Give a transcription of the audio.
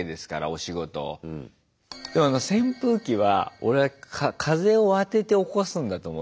でもあの扇風機は俺風を当てて起こすんだと思ってたの。